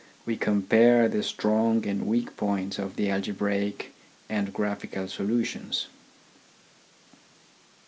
We compare the strong and weak points of the algebraic and graphical solutions.